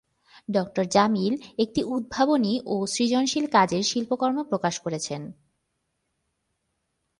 ডঃ জামিল একটি উদ্ভাবনী ও সৃজনশীল কাজের শিল্পকর্ম প্রকাশ করেছেন।